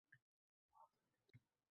va harorat biz uchun juda muhim va qadrli.